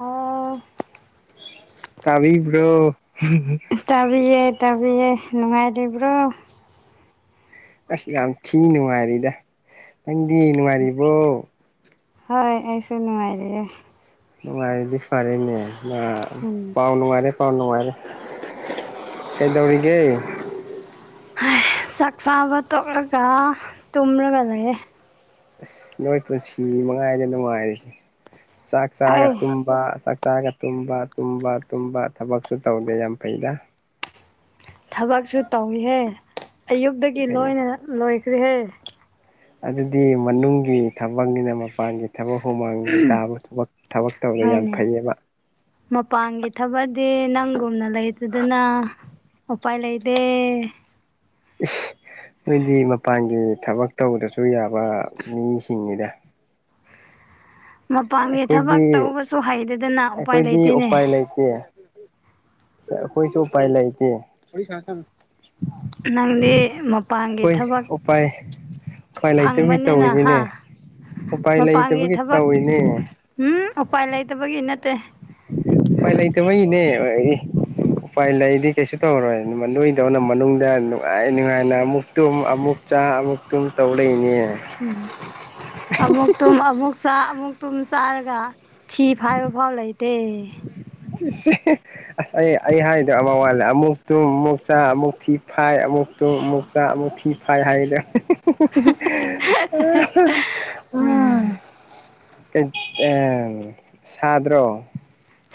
ꯑ ꯇꯕꯤꯕ꯭ꯔꯣ ꯇꯕꯤꯌꯦ ꯇꯕꯤꯌꯦ ꯅꯨꯡꯉꯥꯏꯔꯤꯕ꯭ꯔꯣ ꯑꯁ ꯌꯥꯝ ꯊꯤ ꯅꯨꯡꯉꯥꯏꯔꯤꯗ ꯅꯪꯗꯤ ꯅꯨꯡꯉꯥꯏꯔꯤꯕꯣ ꯍꯣꯏ ꯑꯩꯁꯨ ꯅꯨꯡꯉꯥꯏꯔꯤꯌꯦ ꯅꯨꯡꯉꯔꯗꯤ ꯐꯔꯦꯅꯦ ꯎꯝ ꯄꯥꯎ ꯅꯨꯡꯉꯥꯏꯔꯦ ꯄꯥꯎ ꯅꯨꯡꯉꯥꯏꯔꯦ ꯀꯩꯗꯧꯔꯤꯒꯦ ꯆꯥꯛ ꯆꯥꯕ ꯇꯣꯛꯂꯒ ꯇꯨꯝꯔꯒ ꯂꯩꯌꯦ ꯑꯁ ꯅꯣꯏ ꯄꯨꯟꯁꯤ ꯃꯉꯥꯏꯔꯦ ꯅꯨꯡꯉꯥꯏꯔꯤꯁꯦ ꯆꯥꯛ ꯆꯥꯔꯒ ꯑꯩ ꯇꯨꯝꯕ ꯆꯥꯛ ꯆꯥꯔꯒ ꯇꯨꯝꯕ ꯇꯨꯝꯕ ꯇꯨꯝꯕ ꯊꯕꯛꯁꯨ ꯇꯧꯗꯦ ꯌꯥꯝ ꯐꯩꯗ ꯊꯕꯛꯁꯨ ꯇꯧꯏꯍꯦ ꯑꯌꯨꯛꯇꯒꯤ ꯀꯩ ꯂꯣꯏꯅ ꯂꯣꯏꯈ꯭ꯔꯦꯍꯦ ꯑꯗꯨꯗꯤ ꯃꯅꯨꯡꯒꯤ ꯊꯕꯛꯅꯤꯅ ꯃꯄꯥꯟꯒꯤ ꯊꯕꯛ ꯍꯨꯃꯥꯡ ꯇꯥꯕ ꯊꯕꯛ ꯊꯕꯛ ꯇꯧꯕꯗ ꯌꯥꯝ ꯍꯣꯏꯅꯦ ꯐꯩꯌꯦꯕ ꯃꯄꯥꯟꯒꯤ ꯊꯕꯛꯗꯤ ꯅꯪꯒꯨꯝꯅ ꯂꯩꯇꯦꯗꯅ ꯎꯄꯥꯏ ꯂꯩꯇꯦ ꯏꯁ ꯅꯣꯏꯗꯤ ꯃꯄꯥꯟꯒꯤ ꯊꯕꯛ ꯇꯧꯕꯗꯁꯨ ꯌꯥꯕ ꯃꯤꯁꯤꯡꯅꯤꯗ ꯃꯄꯥꯟꯒꯤ ꯊꯕꯛ ꯑꯩꯈꯣꯏꯗꯤ ꯇꯧꯕꯁꯨ ꯍꯩꯇꯦꯗꯅ ꯎꯄꯥꯏ ꯂꯩꯇꯦꯅꯦ ꯍꯩꯇꯦ ꯑꯩꯈꯣꯏꯁꯨ ꯎꯄꯥꯏ ꯂꯩꯇꯦ ꯅꯪꯗꯤ ꯃꯄꯥꯟꯒꯤ ꯊꯕꯛ ꯄꯥꯏ ꯎꯄꯥꯏ ꯂꯩꯇꯕꯒꯤ ꯐꯪꯕꯅꯤꯅ ꯍꯥ ꯇꯧꯋꯤꯅꯤꯅꯦ ꯎꯄꯥꯏ ꯃꯄꯥꯟꯒꯤ ꯂꯩꯇꯕꯒꯤ ꯊꯕꯛ ꯇꯧꯋꯤꯅꯦ ꯎꯝ ꯎꯄꯥꯏ ꯂꯩꯇꯕꯒꯤ ꯅꯠꯇꯦ ꯎꯄꯥꯏ ꯂꯩꯇꯕꯩꯅꯦ [unintelligible] ꯎꯄꯥꯏ ꯂꯩꯗꯤ ꯀꯩꯁꯨ ꯇꯧꯔꯣꯏ ꯅꯣꯏꯗꯧꯅ ꯃꯅꯨꯡꯗ ꯅꯨꯡꯉꯥꯏ ꯅꯨꯡꯉꯥꯏꯅ ꯑꯃꯨꯛ ꯇꯨꯝ ꯑꯃꯨꯛ ꯆꯥ ꯑꯃꯨꯛꯇꯨꯝ ꯇꯧ ꯂꯩꯅꯤꯅꯦ ꯎꯝ ꯑꯃꯨꯛ ꯇꯨꯝ ꯑꯃꯨꯛ ꯆꯥ ꯑꯃꯨꯛ ꯇꯨꯝ ꯆꯥꯔꯒ ꯊꯤ ꯐꯥꯏꯕ ꯐꯥꯎ ꯂꯩꯇꯦ [unintelligible] ꯑꯁ ꯑꯩ ꯑꯩ ꯍꯥꯏꯗꯣ ꯑꯃ ꯋꯥꯠꯂꯦ ꯑꯃꯨꯛ ꯇꯨꯝ ꯑꯃꯨꯛ ꯆꯥ ꯑꯃꯨꯛ ꯊꯤ ꯐꯥꯏ ꯑꯃꯨꯛ ꯇꯣ ꯑꯃꯨꯛꯆꯥ ꯑꯃꯨꯛ ꯊꯤ ꯐꯥꯏ ꯍꯥꯏꯗꯣ ꯎꯝ [unintelligible] [unintelligible] ꯑꯝ ꯁꯥꯗ꯭ꯔꯣ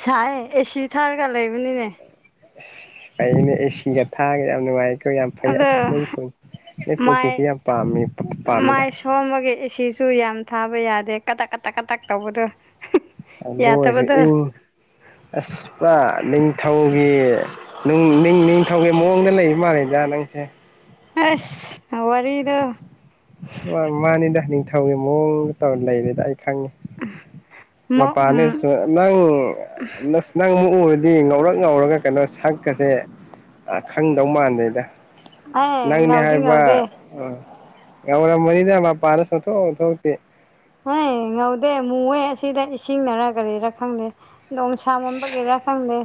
ꯁꯥꯏ ꯑꯦꯁꯤ ꯊꯥꯔꯒ ꯂꯩꯕꯅꯤꯅꯦ ꯑꯁ ꯑꯩꯗꯤ ꯑꯦ ꯁꯤꯒ ꯊꯥꯔꯒ ꯌꯥꯝ ꯅꯨꯡꯉꯥꯏ ꯌꯥꯝ ꯐꯩ ꯑꯗꯣ ꯑꯁ ꯅꯣꯏꯒꯤ ꯅꯣꯏ ꯄꯨꯟꯁꯤꯁꯤ ꯌꯥꯝ ꯄꯥꯝꯃꯤ ꯄꯥꯝꯃꯤꯗ ꯅꯣꯡꯃꯒꯤ ꯑꯦ ꯁꯤꯁꯨ ꯌꯥꯝ ꯊꯥꯕ ꯌꯥꯗꯦ ꯀꯇꯛ ꯀꯇꯛ ꯀꯇꯛ ꯇꯧꯕꯗ ꯑꯗꯨ ꯑꯣꯏꯔꯁꯨ ꯏꯪ ꯑꯁ ꯄ ꯅꯤꯡꯊꯧꯒꯤ ꯅꯤꯡ ꯅꯤꯡ ꯅꯤꯡꯊꯧꯒꯤ ꯃꯑꯣꯡꯗ ꯂꯩꯕ ꯃꯥꯜꯂꯦꯗ ꯅꯪꯁꯦ ꯑꯁ ꯋꯥꯔꯤꯗꯨ ꯃꯥ ꯃꯥꯅꯤꯗ ꯅꯤꯡꯊꯧꯒꯤ ꯃꯑꯣꯡꯗ ꯇꯧꯔ ꯂꯩꯔꯦꯗ ꯑꯩ ꯈꯪꯉꯤ [unintelligible] ꯃ ꯎꯝ ꯄꯥꯅꯤꯁꯨ ꯅꯪ ꯅꯪ ꯑꯃꯨꯛ ꯎꯔꯗꯤ ꯉꯧꯔꯛ ꯉꯧꯔꯒ ꯀꯩꯅꯣ ꯁꯛꯀꯁꯦ ꯈꯪꯗꯧ ꯃꯥꯟꯗꯦꯗ ꯑꯦ ꯅꯪꯅꯦ ꯉꯧꯗꯤ ꯍꯥꯏꯕ ꯉꯧꯗꯦ ꯉꯧꯔꯝ ꯃꯅꯤꯗꯥ ꯃꯄꯥꯟꯁꯨ ꯁꯨꯛꯊꯣꯛ ꯊꯣꯛꯇꯦ ꯍꯦ ꯉꯧꯗꯦ ꯃꯣꯏ ꯑꯁꯤꯗ ꯏꯁꯤꯡꯅꯔ ꯀꯔꯤꯔꯥ ꯈꯪꯗꯦ ꯅꯣꯡ ꯁꯥꯃꯟ ꯕꯒꯦꯔꯥ ꯈꯪꯗꯦ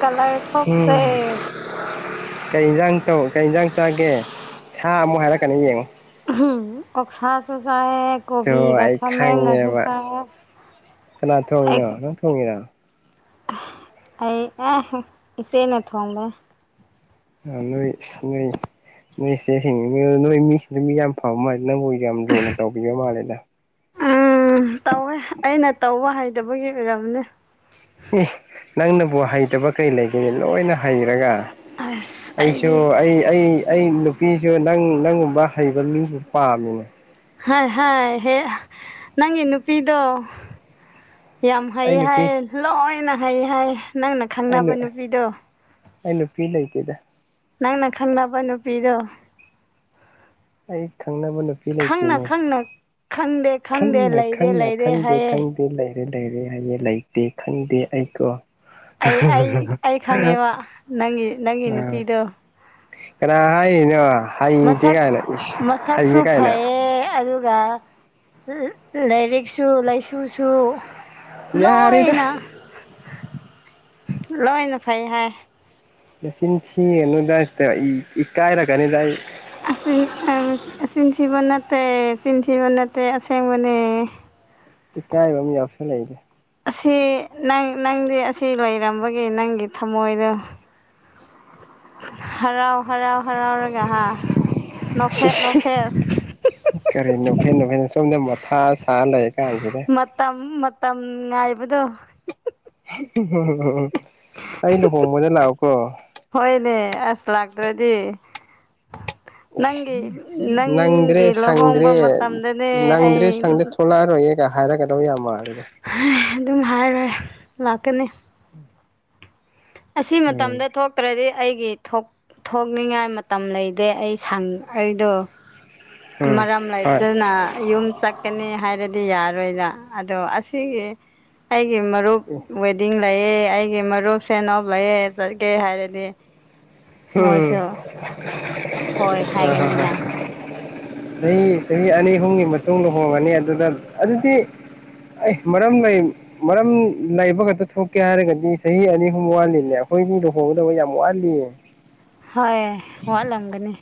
ꯀꯂꯔ ꯊꯣꯛꯇꯦ ꯎꯝ ꯀꯩ ꯌꯦꯟꯁꯥꯡ ꯇꯧ ꯀꯩ ꯌꯦꯟꯁꯥꯡ ꯆꯥꯒꯦ ꯁꯥ ꯑꯃꯨꯛ ꯍꯥꯏꯔꯛꯀꯅꯤ ꯌꯦꯡꯉꯨ [unintelligible] ꯑꯣꯛꯁꯥꯁꯨ ꯆꯥꯏꯌꯦ ꯑꯗꯨꯣ ꯀꯣꯕꯤꯒ ꯑꯩ ꯈꯥꯃꯦꯟꯒꯁꯨ ꯈꯪꯉꯦꯕ ꯆꯥꯏꯌꯦ ꯀꯅꯥ ꯑꯩ ꯊꯣꯡꯉꯤꯅꯣ ꯅꯪ ꯊꯣꯡꯉꯤꯔꯣ ꯑꯩ ꯑꯦ ꯏꯆꯦꯅ ꯊꯣꯡꯕꯅꯦ ꯅꯣꯏ ꯅꯣꯏ ꯅꯣꯏ ꯆꯦꯁꯦꯡ ꯅꯣꯏ ꯃꯤꯁ ꯑꯗꯨ ꯃꯤ ꯌꯥꯝ ꯐꯕ ꯃꯥꯜꯂꯦ ꯅꯪꯕꯨ ꯌꯥꯝ ꯂꯨꯅ ꯇꯧꯕꯤꯕ ꯃꯥꯜꯂꯦꯗ ꯎꯝ ꯇꯧꯋꯦ ꯑꯩꯅ ꯇꯧꯕ ꯍꯩꯗꯕꯒꯤ ꯑꯣꯏꯔꯝꯅꯦ꯫ ꯅꯪꯅꯕꯨ ꯍꯩꯇꯕ ꯀꯩ ꯂꯩꯒꯅꯤ ꯂꯣꯏꯅ ꯍꯩꯔꯒ ꯑꯁ ꯑꯩꯁꯨ ꯑꯩꯗꯤ ꯑꯩ ꯑꯩ ꯅꯨꯄꯤꯁꯨ ꯅꯪ ꯅꯪꯒꯨꯝꯕ ꯍꯩꯕ ꯃꯤꯁꯨ ꯄꯥꯝꯃꯤꯅꯦ꯫ ꯍꯥꯏ ꯍ ꯍ ꯅꯪꯒꯤ ꯅꯨꯄꯤꯗꯣ ꯌꯥꯝ ꯍꯩ ꯑꯩ ꯅꯨꯄꯤ ꯍꯥꯏꯌꯦ ꯂꯣꯏꯅ ꯍꯩ ꯍꯥꯏꯌꯦ ꯅꯪ ꯑꯩ ꯈꯪꯅꯕ ꯅꯨꯄꯤꯗꯣ ꯑꯩ ꯅꯨꯄꯤ ꯂꯩꯇꯦꯗ ꯅꯪꯅ ꯈꯪꯅꯕ ꯅꯨꯄꯤꯗꯣ ꯑꯩ ꯊꯪꯅ [unintelligible] ꯈꯪꯅ ꯈꯪꯅ ꯈꯪꯗꯦ ꯈꯪꯗꯦ ꯈꯪꯅ ꯂꯩꯔꯦ ꯈꯪꯅ ꯂꯩꯔꯦ ꯈꯪꯗꯦ ꯍꯥꯏꯌꯦ ꯈꯪꯗꯦ ꯂꯩꯔꯦ ꯂꯩꯔꯦ ꯍꯥꯏꯌꯦꯦ ꯂꯩꯇꯦ ꯈꯪꯗꯦ ꯑꯩꯀꯣ꯫ ꯑꯩ ꯑꯩ ꯑꯩ ꯈꯪꯉꯦꯕ ꯅꯪꯒꯤ ꯅꯪꯒꯤ ꯑꯥ ꯅꯨꯄꯤꯗꯣ ꯀꯅꯥ ꯍꯥꯏꯔꯤꯅꯣ ꯍꯩꯇꯦ ꯃꯁꯛ ꯀꯥꯏꯅ ꯏꯁ ꯃꯁꯛꯁꯨ ꯍꯩꯌꯦ ꯀꯥꯏꯅ ꯐꯩꯌꯦ ꯑꯗꯨꯒ ꯂꯥꯏꯔꯤꯛꯁꯨ ꯂꯥꯏꯁꯨꯁꯨ ꯌꯥꯔꯦꯗ ꯂꯣꯏꯅ ꯂꯣꯏꯅ ꯐꯩ ꯍꯥꯏ ꯃꯆꯤꯟ ꯊꯤꯒꯅꯨꯗ ꯏꯀꯥꯏꯔꯛꯀꯅꯤꯗ ꯑꯩ꯫ [unintelligible] ꯑꯁꯤꯟꯊꯤꯕ ꯅꯠꯇꯦ ꯆꯤꯟꯊꯤꯕ ꯅꯠꯇꯦ ꯑꯁꯦꯡꯕꯅꯦ ꯏꯀꯥꯏꯕ ꯑꯃ ꯌꯥꯎꯁꯜ ꯂꯩꯗ ꯑꯁꯤ ꯅꯪ ꯅꯪꯗꯤ ꯑꯁꯤ ꯂꯩꯔꯝꯕꯒꯤ ꯅꯪꯒꯤ ꯊꯃꯣꯏꯗꯣ ꯍꯔꯥꯎ ꯍꯔꯥꯎ ꯍꯔꯥꯎꯔꯒ ꯍꯥ ꯅꯣꯛꯐꯦꯠ ꯅꯣꯛꯐꯦꯠ ꯀꯔꯤ ꯅꯨꯄꯤ ꯅꯨꯄꯤ ꯁꯣꯝꯗ ꯃꯊꯥ ꯁꯥꯔ ꯂꯩ ꯀꯥꯟꯁꯤ ꯃꯇꯝ ꯃꯇꯝ ꯉꯥꯏꯕꯗꯣ ꯎꯝ ꯍ ꯍ ꯑꯩ ꯂꯨꯍꯣꯡꯕꯗ ꯂꯥꯛꯑꯣꯀꯣ꯫ ꯍꯣꯏꯅꯦ ꯑꯁ ꯂꯥꯛꯇ꯭ꯔꯗꯤ ꯅꯪꯒꯤ ꯅꯪꯗ꯭ꯔꯦ ꯅꯪꯒꯤ ꯁꯪꯗ꯭ꯔꯦ ꯂꯨꯍꯣꯡꯕ ꯃꯇꯝꯗꯅꯦ ꯅꯪꯗ꯭ꯔꯦ ꯑꯩ ꯁꯪꯗ꯭ꯔꯦ ꯊꯣꯛꯂꯛꯑꯔꯣꯏ ꯀ ꯍꯥꯏꯔꯛꯀꯗꯧ ꯌꯥꯝ ꯃꯥꯜꯂꯤꯗ꯫ ꯑꯗꯨꯝ ꯍꯥꯏꯔꯣꯏ ꯂꯥꯛꯀꯅꯦ꯫ ꯎꯝ ꯑꯁꯤ ꯃꯇꯝꯗ ꯊꯣꯛ ꯇ꯭ꯔꯗꯤ ꯑꯩꯒꯤ ꯊꯣꯛ ꯊꯣꯛꯅꯤꯡꯉꯥꯏ ꯃꯇꯝ ꯂꯩꯇꯦ ꯑꯩ ꯁꯪ ꯑꯩꯗꯣ ꯎꯝ ꯃꯔꯝ ꯍꯣꯏ ꯂꯩꯇꯅ ꯌꯨꯝ ꯆꯛ ꯀꯅꯤ ꯍꯥꯏꯔꯗꯤ ꯌꯥꯔꯣꯏꯗ ꯑꯗꯣ ꯑꯁꯤꯒꯤ ꯑꯩꯒꯤ ꯃꯔꯨꯞꯋꯦ ꯈꯨꯗꯤꯡ ꯂꯩꯑꯦ ꯑꯩꯒꯤ ꯃꯔꯨꯞꯁꯦꯅꯧ ꯂꯩꯑꯦ ꯆꯠꯀꯦ ꯍꯥꯏꯔꯗꯤ ꯍ ꯃꯣꯏꯁꯨ ꯍꯣꯏ ꯍꯥꯏꯒꯅꯤꯅ ꯆꯍꯤ ꯆꯍꯤ ꯑꯅꯤ ꯑꯍꯨꯝꯒꯤ ꯃꯇꯨꯡꯗ ꯍꯣꯡꯕꯅꯤ ꯑꯗꯨꯗ ꯑꯗꯨꯗꯤ ꯑꯩ ꯃꯔꯝ ꯂꯩ꯫ ꯃꯔꯝ ꯂꯩꯕ ꯈꯛꯇ ꯊꯣꯛꯀꯦ ꯍꯥꯏꯔꯒꯗꯤ ꯆꯍꯤ ꯑꯅꯤ ꯑꯍꯨꯝ ꯋꯥꯠꯂꯤꯅꯦ ꯑꯩꯈꯣꯏꯗꯤ ꯂꯨꯍꯣꯡꯒꯗꯕ ꯌꯥꯝ ꯋꯥꯠꯂꯤꯌꯦ ꯍꯣꯏ ꯋꯥꯠꯂꯝꯒꯅꯤ꯫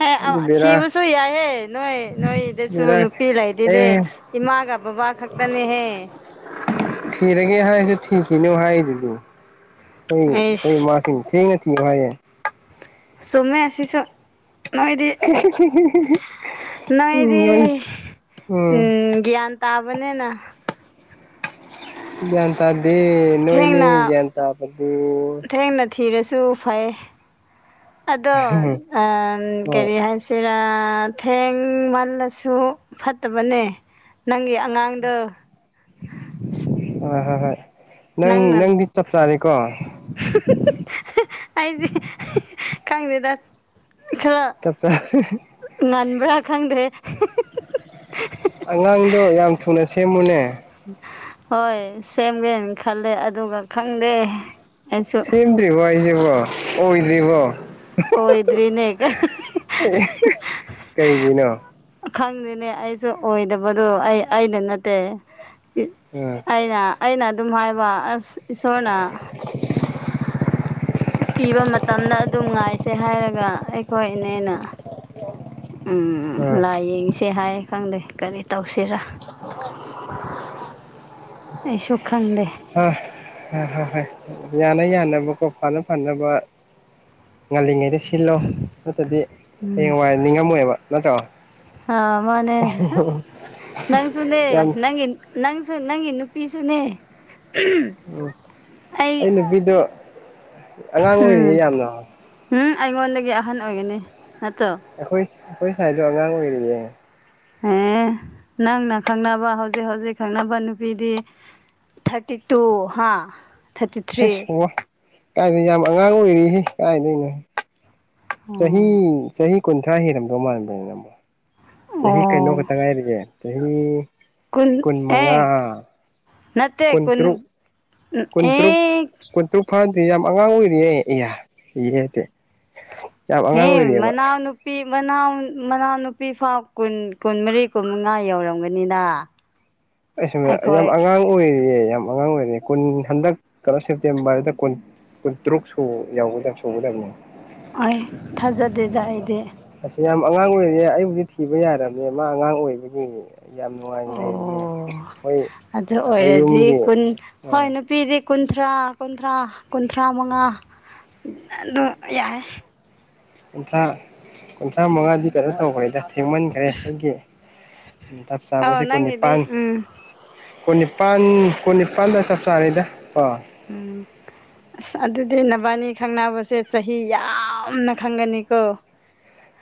ꯍꯦ ꯑꯗꯨ ꯕꯦꯔꯥ ꯑꯊꯤꯕꯁꯨ ꯌꯥꯏꯌꯦ ꯅꯣꯏ ꯅꯣꯏꯗꯁꯨ ꯕꯦꯔꯥ ꯅꯨꯄꯤ ꯂꯩꯗꯤꯗꯤ꯫ ꯑꯦ ꯏꯃꯒ ꯕꯕꯥ ꯈꯛꯇꯅꯦꯍꯦ꯫ ꯊꯤꯔꯒꯦ ꯍꯥꯏꯖꯨ ꯊꯤꯈꯤꯅꯨ ꯍꯥꯏꯗꯨꯗꯤ꯫ ꯎꯝ ꯑꯩꯁ [unintelligible] ꯊꯦꯡꯅ ꯊꯤ [unintelligible] ꯆꯨꯝꯃꯦ ꯑꯁꯤꯁꯨ꯫ [unintelligible] ꯎꯝ ꯅꯣꯏꯗꯤ ꯅꯣꯏ ꯎꯝ ꯒ꯭ꯌꯥꯟ ꯇꯥꯕꯅꯤꯅ꯫ ꯒ꯭ꯌꯥꯟ ꯇꯥꯗꯦ ꯅꯣꯏꯅꯤ ꯊꯦꯡꯅ ꯒ꯭ꯌꯥꯟ ꯇꯥꯕꯗꯣ ꯊꯦꯡꯅ ꯊꯤꯔꯁꯨ ꯐꯩ ꯑꯗꯣ ꯑ ꯍꯣꯏ ꯀꯔꯤ ꯍꯥꯏꯁꯤ ꯍꯦꯔ ꯊꯦꯡ ꯃꯥꯜꯂꯁꯨ ꯐꯠꯇꯕꯅꯦ꯫ ꯅꯪꯒꯤ ꯑꯉꯥꯡꯗ ꯍꯣꯏ ꯍꯣꯏ ꯅꯪ ꯅꯪꯗꯤ ꯆꯥꯛ ꯆꯥꯔꯦꯀꯣ꯫ ꯑꯩꯗꯤꯦ ꯈꯪꯗꯦꯗ ꯈꯔ ꯆꯞꯆꯥꯔꯦ꯫ ꯉꯟꯕ꯭ꯔ ꯈꯪꯗꯦ ꯍꯤ ꯍꯤ꯫ ꯑꯉꯥꯡꯗꯣ ꯌꯥꯝ ꯊꯨꯅ ꯁꯦꯝꯃꯨꯅꯦ ꯍꯣꯏ ꯁꯦꯝꯒꯦꯅ ꯈꯜꯂꯦ ꯑꯗꯨꯒ ꯈꯪꯗꯦ ꯑꯩꯁꯨ ꯁꯦꯝꯗ꯭ꯔꯤꯕꯣ ꯍꯥꯏꯁꯤꯕꯣ ꯑꯣꯏꯗ꯭ꯔꯤꯕꯣ꯫ ꯑꯣꯣꯏꯗ꯭ꯔꯤꯅꯦ ꯀꯩꯒꯤꯅꯣ ꯈꯪꯗꯦꯅꯦ ꯑꯩꯖꯨ ꯑꯣꯏꯗꯕꯗꯣ ꯑꯩ ꯑꯩꯗ ꯅꯠꯇꯦ꯫ [unintelligible] ꯑꯩꯅ ꯑꯩꯅ ꯑꯗꯨꯝ ꯍꯥꯏꯕ ꯑꯁ ꯏꯁꯣꯔꯅ [unintelligible] ꯄꯤꯕ ꯃꯇꯝꯗ ꯑꯗꯨꯝ ꯉꯥꯏꯁꯦ ꯍꯥꯏꯔꯒ ꯑꯩꯈꯣꯏꯅꯦꯅ꯫ ꯎꯝ ꯂꯥꯏ ꯌꯦꯡꯁꯦ ꯍꯥꯏ ꯈꯪꯗꯦ ꯀꯔꯤ ꯇꯧꯁꯤꯔꯥ꯫ [unintelligible] ꯑꯩꯁꯨ ꯈꯪꯗꯦ꯫ ꯍꯥ ꯍ ꯍꯣꯏ ꯌꯥꯅ ꯌꯥꯅꯕꯀꯣ ꯐꯅ ꯐꯅꯕ ꯉꯜꯂꯤꯉꯩꯗ ꯁꯤꯜꯂꯣ ꯅꯠꯇꯗꯤ ꯍꯌꯦꯡ ꯋꯥꯏ ꯅꯤꯡꯉꯝꯃꯣꯏꯕ ꯅꯠꯇ꯭ꯔꯣ ꯍꯥ ꯃꯥꯅꯦ ꯅꯪꯖꯨꯅꯦ ꯌꯥꯝ ꯅꯪꯒꯤ ꯅꯪꯁꯨ ꯅꯪꯒꯤ ꯅꯨꯄꯤꯁꯨꯅꯦ ꯎꯝ ꯑꯩ ꯅꯨꯄꯤꯗꯨꯣ ꯑꯉꯥꯡ ꯑꯣꯏꯔꯤꯌꯦ ꯌꯥꯝꯅ ꯍꯝ ꯑꯩꯉꯣꯟꯗꯒꯤ ꯑꯍꯟ ꯑꯣꯏꯒꯅꯤ ꯅꯠꯇ꯭ꯔꯣ꯫ ꯑꯩꯈꯣꯏ ꯑꯩꯈꯣꯏ ꯁꯥꯏꯗꯣ ꯑꯉꯥꯡ ꯑꯣꯏꯔꯤꯌꯦ ꯑꯦ ꯅꯪꯅ ꯈꯪꯅꯕ ꯍꯧꯖꯤꯛ ꯍꯧꯖꯤꯛ ꯈꯪꯅꯕ ꯅꯨꯄꯤꯗꯤ ꯊꯥꯔꯇꯤ ꯇꯨ ꯍꯥꯥ꯫ ꯍꯩ ꯑꯣ ꯀꯥꯏꯗ ꯌꯥꯝ ꯑꯉꯥꯡ ꯑꯣꯏꯔꯤꯍꯦ ꯀꯥꯏꯗꯩꯅꯣ꯫ ꯆꯍꯤ ꯑꯣ ꯆꯍꯤ ꯀꯨꯟꯊ꯭ꯔꯥ ꯍꯦꯜꯂꯝꯗꯧ ꯃꯥꯟꯕꯅꯤꯅꯦ ꯑꯃꯨꯛ꯫ ꯆꯍꯤ ꯀꯩꯅꯣ ꯑꯣ ꯈꯛꯇ ꯉꯥꯏꯔꯤꯌꯦ ꯆꯍꯤ ꯀꯨꯟ ꯑꯦ ꯅꯠꯇꯦ ꯀꯨꯟ ꯀꯨꯟꯇꯔꯨꯛ ꯑꯦ꯫ ꯑꯗꯨ ꯐꯥꯗꯦ ꯌꯥꯝ ꯑꯉꯥꯡ ꯑꯣꯏꯔꯤꯌꯦ ꯑꯌꯥ [unintelligible] ꯍꯦ ꯃꯅꯥꯎ ꯅꯨꯄꯤ ꯃꯅꯥꯎ ꯃꯅꯥꯎꯅꯨꯄꯤ ꯐꯥꯎ ꯀꯨꯟ ꯀꯨꯟꯃꯔꯤ ꯀꯨꯟꯃꯉꯥ ꯌꯧꯔꯝꯒꯅꯤꯅ [inaudible] ꯑꯩ ꯁ ꯌꯥꯝ ꯑꯉꯥꯡ ꯑꯣꯏꯔꯤꯑꯦ ꯌꯥꯝ ꯑꯉꯥꯡ ꯑꯣꯏꯔꯤꯑꯦ ꯀꯨꯟ ꯍꯟꯗꯛ ꯀꯔꯥ ꯁꯦꯞꯇꯦꯝꯕꯔꯗ ꯀꯨꯟ ꯀꯨꯟꯇꯔꯨꯛ ꯁꯣ ꯌꯧꯒꯗꯕ ꯁꯧꯒꯗꯕꯅꯦ꯫ ꯍꯣꯏ ꯊꯥꯖꯗꯦꯗ ꯑꯩꯗꯤ ꯑꯁ ꯌꯥꯝ ꯑꯉꯥꯡ ꯑꯣꯏꯔꯤꯑꯦ ꯑꯩꯕꯨꯗꯤ ꯊꯤꯕ ꯌꯥꯔꯕꯅꯦ ꯃꯥ ꯑꯉꯥꯡ ꯑꯣꯏꯕꯒꯤ꯫ ꯌꯥꯝ ꯅꯨꯡꯉꯥꯏꯅ ꯂꯩꯔꯤꯅꯦ ꯑꯣ ꯑꯩꯈꯣꯏ ꯑꯗꯨ ꯑꯩꯈꯣꯏ ꯑꯣꯏꯔꯗꯤ ꯌꯨꯝꯒꯤ ꯀꯨꯟ ꯍꯣꯏ ꯅꯨꯄꯤꯗꯤ ꯀꯨꯟꯊ꯭ꯔꯥ ꯀꯨꯟꯊ꯭ꯔꯥ ꯀꯨꯟꯊ꯭ꯔꯥ ꯃꯉꯥ ꯑꯗꯨ ꯌꯥꯔꯦ꯫ ꯀꯨꯟꯊ꯭ꯔꯥ ꯀꯨꯟꯊ꯭ꯔꯥ ꯃꯉꯥꯗꯤ ꯀꯩꯅꯣ ꯇꯧꯈ꯭ꯔꯦꯗ꯫ ꯊꯦꯡꯃꯟꯈ꯭ꯔꯦ ꯑꯩꯈꯣꯏꯒꯤ ꯆꯞ ꯑꯧ ꯆꯥꯕꯁꯦ ꯀꯨꯟ ꯅꯪꯒꯤꯗꯤ ꯅꯤꯄꯥꯟ꯫ ꯎꯝ ꯀꯨꯟꯅꯤꯄꯥꯟ ꯀꯨꯟꯅꯤꯄꯥꯟꯗ ꯆꯞ ꯆꯥꯔꯤꯗ ꯑꯣ꯫ ꯎꯝ꯫ ꯑꯁ ꯑꯗꯨꯗꯤ ꯅꯕꯥꯅꯤ ꯈꯪꯅꯕꯁꯦ ꯆꯍꯤ ꯌꯥꯝꯅ ꯈꯪꯒꯅꯤꯀꯣ꯫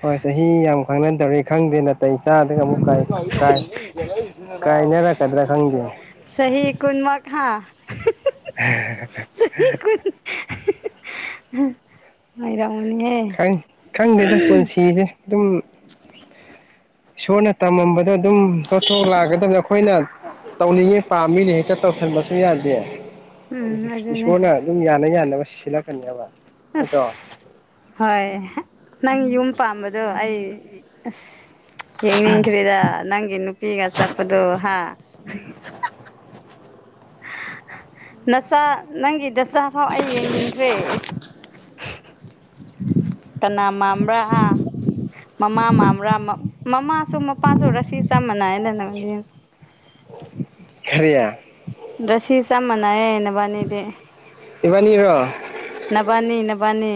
ꯍꯣꯏ ꯆꯍꯤ ꯌꯥꯝ ꯈꯪꯅꯟ ꯇꯧꯔꯤ ꯈꯪꯗꯦ ꯅꯥꯇꯩ ꯆꯥꯗꯒ ꯑꯃꯨꯛ ꯀꯥꯏ ꯀꯥꯏ ꯀꯥꯏꯅꯔꯛꯀꯗ꯭ꯔꯥ ꯈꯪꯗꯦ꯫ ꯆꯍꯤ ꯀꯨꯟꯃ ꯃꯈꯥ꯫ ꯆꯍꯤ ꯀꯨꯟ ꯑꯈ [unintelligible] ꯈꯪꯗꯦꯗ ꯄꯨꯟꯁꯤꯁꯦ ꯑꯗꯨꯝ ꯏꯁꯣꯔꯅ ꯇꯝꯃꯝꯕꯗꯣ ꯑꯗꯨꯝ ꯇꯣꯠꯊꯣꯛ ꯂꯥꯛꯀꯗꯕꯗ ꯑꯩꯈꯣꯏꯅ ꯇꯧꯅꯤꯡꯉꯦ ꯄꯥꯝꯃꯤꯅꯦ ꯍꯦꯛꯇ ꯇꯧꯁꯟꯕꯁꯨ ꯌꯥꯗꯦ꯫ ꯎꯝ ꯑꯗꯨꯅꯦ ꯏꯁꯣꯔꯅ ꯑꯗꯨꯝ ꯌꯥꯅ ꯌꯥꯅꯕ ꯁꯤꯜꯂꯛꯀꯅꯦꯕ ꯅꯠꯇ꯭ꯔꯣ ꯍꯁ ꯍꯣꯏ ꯅꯪ ꯌꯨꯝ ꯄꯥꯝꯕꯗꯣ ꯑꯩ ꯑꯁ ꯌꯦꯡꯅꯤꯡꯈ꯭ꯔꯤꯗ ꯅꯪꯒꯤ ꯅꯨꯄꯤꯒ ꯆꯠꯄꯗꯣ ꯍꯥ꯫ ꯅꯆꯥ ꯅꯪꯒꯤ ꯅꯆꯥꯐꯥꯎ ꯑꯩ ꯌꯦꯡꯅꯤꯡꯈ꯭ꯔꯦ [inaudible] ꯀꯅꯥ ꯃꯝꯕ꯭ꯔꯥ ꯍꯥ ꯃꯃꯥ ꯃꯝꯕ꯭ꯔꯥ ꯃꯃꯥꯁꯨ ꯄꯖꯨ ꯔꯥꯁꯤ ꯆꯞ ꯃꯅꯩꯗꯅ [unintelligible] ꯁꯨꯏꯌꯦ꯫ ꯔꯁꯤ ꯆꯞ ꯃꯅꯩꯌꯦ ꯅꯥꯕꯅꯤꯗꯤ ꯏꯕꯅꯤꯔꯣ꯫ ꯅꯕꯥꯅꯤ ꯅꯕꯥꯅꯤ꯫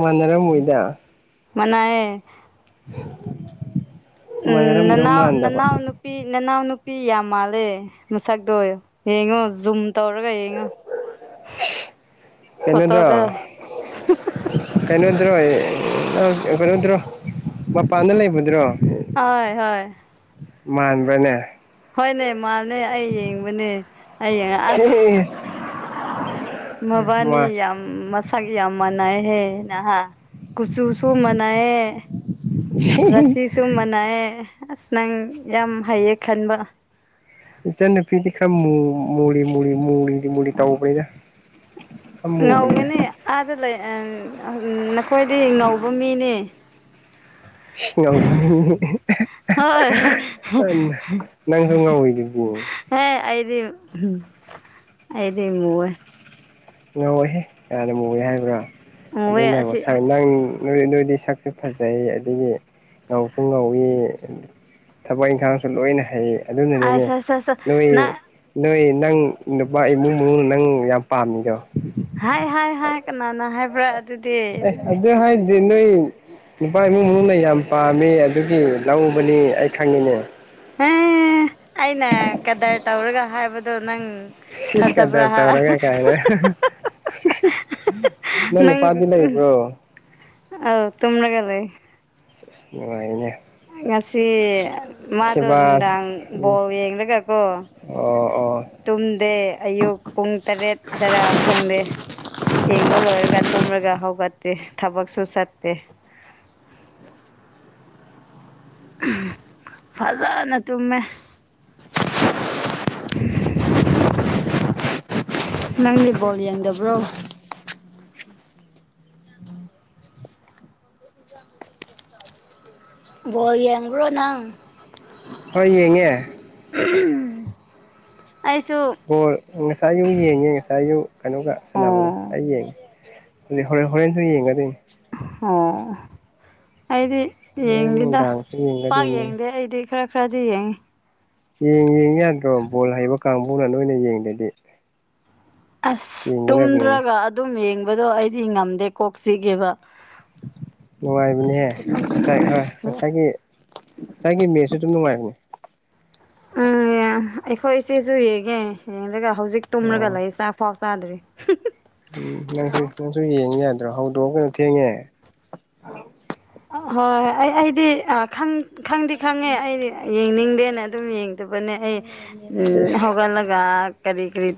ꯃꯅꯔꯝꯃꯣꯏꯗ ꯃꯅꯩꯌꯦ [unintelligible] ꯎꯝ ꯃꯥꯟꯅꯔꯝꯗꯧ ꯅꯅꯥꯎ ꯃꯥꯟꯗꯕ ꯅꯅꯥꯎ ꯅꯨ ꯅꯨꯄꯤ ꯅꯅꯥꯎ ꯅꯨꯄꯤ ꯌꯥꯝ ꯃꯥꯜꯂꯦ ꯃꯁꯛꯇꯣ ꯌꯦꯡꯉꯣ ꯨꯖꯨꯝ ꯇꯧꯔꯒ ꯌꯦꯡꯉꯣ ꯐꯣꯇꯣꯗ꯫ ꯀꯩꯅꯣꯗ꯭ꯔꯣꯏ ꯀꯩꯅꯣꯗ꯭ꯔꯣ ꯃꯄꯥꯟꯗ ꯂꯩꯕꯗꯨꯔꯣ꯫ ꯍꯣꯏ ꯍꯣꯏ꯫ ꯃꯥꯟꯕ꯭ꯔꯅꯦ ꯍꯣꯏꯅꯦ ꯃꯥꯅꯦ ꯑꯩ ꯌꯦꯡꯕꯅꯦ ꯑꯩ ꯌꯦꯡꯉ ꯁꯤ ꯑꯁ ꯃꯕꯥꯅꯤ ꯃꯥ ꯌꯥꯝ ꯃꯁꯥꯒꯤ ꯌꯥꯝ ꯃꯥꯟꯅꯍꯦ ꯅꯍꯥ ꯀꯨꯆꯨꯁꯨ ꯃꯅꯥꯔꯦ ꯔꯁꯤꯁꯨ ꯇꯨꯝꯕꯅꯥꯑꯦ ꯑꯁ ꯅꯪ ꯌꯥꯝ ꯍꯩꯌꯦ ꯈꯟꯕ꯫ ꯏꯆꯟꯅ ꯅꯨꯄꯤꯗꯤ ꯈꯔ ꯃꯨ ꯃꯨꯔꯤ ꯃꯨꯂꯤꯗꯤ ꯃꯨꯂꯤ ꯇꯧꯕꯩꯗ ꯉꯧꯒꯅꯤ ꯑꯥꯗ ꯂꯩ ꯅꯈꯣꯏꯗꯤ ꯉꯧꯕ ꯃꯤꯅꯤ ꯉꯝꯕ ꯃꯤꯅꯤ꯫ ꯍꯣꯏ ꯇꯟ ꯅꯪꯖꯨ ꯉꯥꯎꯔꯤꯗꯨꯗꯤ꯫ ꯍꯦ ꯑꯩꯗꯤ ꯑꯩꯗꯤ ꯃꯨꯌꯦ ꯉꯧꯋꯤꯌꯦ ꯀꯅꯥꯅ ꯃꯨꯏ ꯍꯥꯏꯕ꯭ꯔꯥ ꯃꯨꯋꯦ ꯑꯗꯨꯅ ꯑꯁꯤ ꯅꯪ ꯅꯅꯣꯏꯔꯗꯤ ꯁꯛꯁꯨ ꯐꯖꯩ ꯑꯗꯨꯗꯒꯤ ꯉꯥꯎꯁꯨ ꯉꯧꯏ ꯫ ꯊꯕꯛ ꯏꯪꯈꯥꯡꯁꯨ ꯂꯣꯏꯅ ꯍꯩ ꯑꯗꯨꯅꯅꯤꯅꯦ ꯑꯁ ꯑꯁ ꯑꯁ ꯅꯣꯏ ꯅꯪ ꯅꯣꯏ ꯅꯪ ꯅꯨꯄꯥ ꯏꯃꯨꯡ ꯃꯅꯨꯡꯅ ꯅꯪ ꯌꯥꯝ ꯄꯥꯝꯃꯤꯗꯣ꯫ ꯍꯥꯏ ꯍꯥꯏ ꯍꯥꯏ ꯀꯅꯥꯅ ꯍꯥꯏꯕ ꯑꯦ ꯑꯗꯨꯗ ꯍꯥꯏ ꯑꯗꯨꯗꯤ ꯅꯣꯏ ꯅꯨꯄꯥꯏ ꯏꯃꯨꯡ ꯃꯅꯨꯡꯅ ꯌꯥꯝ ꯄꯥꯝꯃꯤ ꯑꯗꯨꯒꯤ ꯂꯧꯎꯕꯅꯤ ꯑꯩ ꯈꯪꯉꯤꯅꯦ꯫ ꯑꯦ ꯑꯩꯅ ꯀꯗꯔ ꯇꯧꯔꯒ ꯍꯥꯏꯕꯗꯣ ꯅꯪ ꯁꯤꯖ ꯊꯥꯖꯕ꯭ꯔꯥ ꯀꯗꯔ ꯇꯧꯔꯒ ꯀꯥꯏꯅ꯫ ꯅꯪ ꯅꯨꯄꯥꯗꯤ ꯂꯩꯕꯔꯣ꯫ ꯑꯣ ꯇꯨꯝꯃꯨꯔꯕꯩ꯫ ꯅꯨꯡꯉꯥꯏꯅꯦ ꯉꯁꯤ ꯃꯥꯗꯣ ꯁꯦꯕꯥꯁ ꯅꯨꯡꯗꯥꯡ ꯎꯝ ꯕꯣꯜ ꯌꯦꯡꯂꯒꯀꯣ ꯑꯣ ꯑꯣ ꯇꯨꯝꯗꯦ ꯑꯌꯨꯛ ꯄꯨꯡ ꯇꯔꯦꯠ ꯇꯔꯥ ꯈꯪꯗꯦ ꯌꯦꯡꯕ ꯂꯣꯏꯔꯒ ꯇꯨꯝꯔꯒ ꯍꯧꯒꯠꯇꯦ ꯊꯕꯛꯁꯨ ꯆꯠꯇꯦ꯫ [unintelligible] ꯐꯖꯅ ꯇꯨꯝꯃꯦ꯫ [unintelligible] ꯅꯪꯗꯤ ꯕꯣꯜ ꯌꯦꯡꯗꯕ꯭ꯔꯣ ꯕꯣꯜ ꯌꯦꯡꯕ꯭ꯔꯣ ꯅꯪ ꯍꯣꯏ ꯌꯦꯡꯉꯦ [unintelligible] ꯑꯩꯁꯨ ꯕꯣꯜ ꯉꯁꯥꯏ ꯌꯨꯛ ꯌꯦꯡꯉꯦ ꯉꯁꯥꯏꯌꯨꯛ ꯀꯩꯅꯣꯒ ꯁꯥꯟꯅꯕꯗꯣ ꯑꯣ ꯑꯩ ꯌꯦꯡꯉꯦ꯫ ꯍꯣꯔꯦ ꯍꯣꯔꯦꯟꯁꯨ ꯌꯦꯡꯒꯅꯤ꯫ ꯑꯣ ꯑꯩꯗꯤ ꯍꯣꯔꯦꯟ ꯌꯦꯡꯗꯦꯗ ꯅꯨꯡꯗꯥꯡꯁꯨ ꯄꯥꯛ ꯌꯦꯡꯒꯗꯣꯏꯅꯤ ꯌꯦꯡꯗꯦ ꯑꯩꯗꯤ ꯈꯔ ꯈꯔꯗꯤ ꯌꯦꯡꯉꯦ꯫ ꯌꯦꯡ ꯌꯦꯡ ꯌꯥꯗ꯭ꯔꯣ ꯕꯣꯜ ꯍꯩꯕ ꯀꯥꯡꯕꯨꯅ ꯅꯣꯏꯅ ꯌꯦꯡꯗꯗꯤ ꯑꯁ ꯌꯦꯡꯒꯗꯕꯅꯤꯅꯦ ꯇꯨꯝꯗ꯭ꯔꯒ ꯑꯗꯨꯝ ꯌꯦꯡꯕꯗꯣ ꯑꯩꯗꯤ ꯉꯝꯗꯦ ꯀꯣꯛ ꯆꯤꯛꯑꯦꯕ ꯅꯨꯡꯉꯥꯏꯕꯅꯤꯍꯦ ꯉꯁꯥꯏ ꯈꯔ ꯉꯁꯥꯏꯒꯤ ꯉꯥꯏꯒꯤ ꯃꯦꯁꯨ ꯑꯗꯨꯝ ꯅꯨꯡꯉꯥꯏꯕꯅꯦ ꯎꯝ ꯑꯩꯈꯣꯏ ꯏꯆꯦꯁꯨ ꯌꯦꯡꯉꯦ ꯌꯦꯡꯔꯒ ꯍꯧꯖꯤꯛ ꯑꯣ ꯇꯨꯝꯔꯒ ꯂꯩ ꯆꯥꯛ ꯑꯝꯐꯥꯎ ꯆꯥꯗ꯭ꯔꯤ ꯎꯝ ꯅꯪꯁꯨ ꯅꯪꯁꯨꯝ ꯌꯦꯡ ꯌꯥꯗ꯭ꯔꯣ ꯍꯧꯗꯣꯛꯑꯣ ꯀꯩꯅꯣ ꯊꯦꯡꯉꯦ꯫ ꯍꯣꯏ ꯑꯩ ꯑꯩꯗꯤ ꯑ ꯈꯪ ꯈꯪꯗꯤ ꯈꯪꯉꯦ ꯑꯩꯗꯤ ꯌꯦꯡꯅꯤꯡꯗꯦꯅ ꯑꯗꯨꯝ ꯌꯦꯡꯗꯕꯅꯦ ꯑꯩ ꯎꯝ ꯍꯧꯒꯠꯂꯒꯥ ꯀꯔꯤ ꯀꯔꯤ